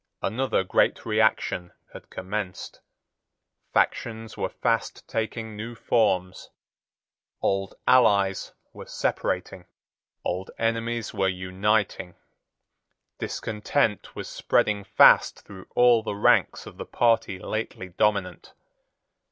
Another great reaction had commenced. Factions were fast taking new forms. Old allies were separating. Old enemies were uniting. Discontent was spreading fast through all the ranks of the party lately dominant.